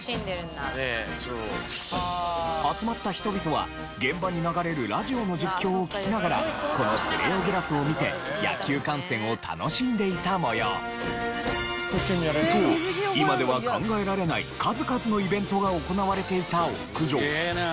集まった人々は現場に流れるラジオの実況を聞きながらこのプレヨグラフを見て野球観戦を楽しんでいた模様。が行われていた屋上。